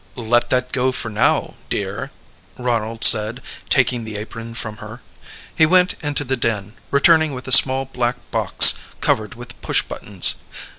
"Let that go for now, dear," Ronald said, taking the apron from her. He went into the den, returning with a small black box covered with push buttons.